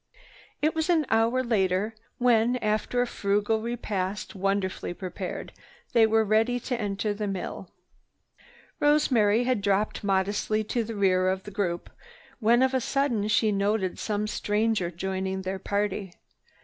It was an hour later when, after a frugal repast wonderfully prepared, they were ready to enter the mill. Rosemary had dropped modestly to the rear of the group when of a sudden she noted some stranger joining their party.